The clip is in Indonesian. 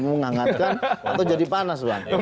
menghangatkan atau jadi panas